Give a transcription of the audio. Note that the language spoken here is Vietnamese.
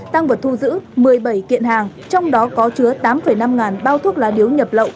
tăng vật thu giữ một mươi bảy kiện hàng trong đó có chứa tám năm ngàn bao thuốc lá điếu nhập lậu